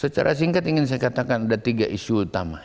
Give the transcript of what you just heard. secara singkat ingin saya katakan ada tiga isu utama